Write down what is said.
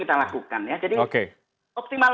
kita lakukan ya jadi optimal